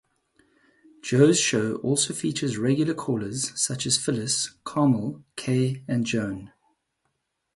Joe's show also features regular callers such as Phylis, Carmel, Kay and Joan.